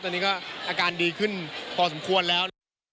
ตอนนี้ก็อาการดีขึ้นพอสมควรแล้ว